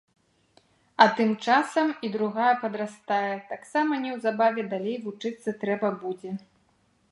А тым часам і другая падрастае, таксама неўзабаве далей вучыцца трэба будзе.